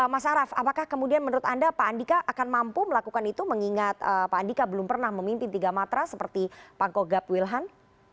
mas araf apakah kemudian menurut anda pak andika akan mampu melakukan itu mengingat pak andika belum pernah memimpin tiga matra seperti pangkogap wilhan